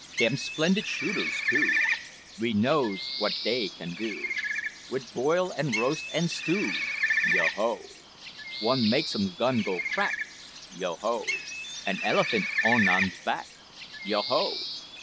Dem splendid shooters, too, We knows what dey can do Wid boil an' roast an' stew, Yo ho! One makes um's gun go crack, Yo ho! An elephant on um's back, Yo ho!